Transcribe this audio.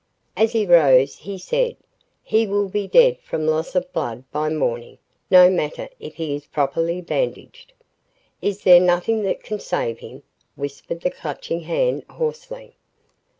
As he rose, he said, "He will be dead from loss of blood by morning, no matter if he is properly bandaged." "Is there nothing that can save him?" whispered the Clutching Hand hoarsely.